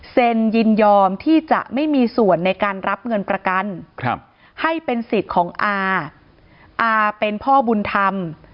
ยนยินยอมที่จะไม่มีส่วนในการรับเงินประกันให้เป็นสิทธิ์ของอาอาเป็นพ่อบุญธรรม